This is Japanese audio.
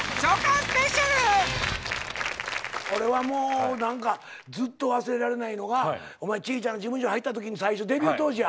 俺はもうずっと忘れられないのがちいちゃな事務所入ったときに最初デビュー当時や。